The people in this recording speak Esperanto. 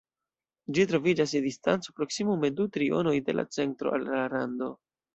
Ĝi troviĝas je distanco proksimume du trionoj de la centro al la rando.